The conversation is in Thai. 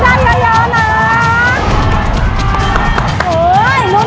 เท่าไหร่ครับ